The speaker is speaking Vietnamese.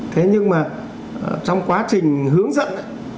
thế nhưng mà trong quá trình hướng dẫn